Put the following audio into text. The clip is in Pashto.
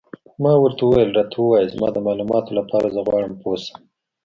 ما ورته وویل: راته ووایه، زما د معلوماتو لپاره، زه غواړم پوه شم.